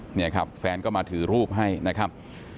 เนี่ยครับแฟนก็มาถือรูปให้นะครับ